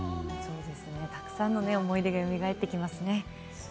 たくさんの思い出がよみがえってきますね。